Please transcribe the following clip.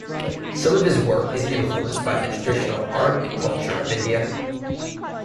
Some of his work is influenced by the traditional art and culture of India.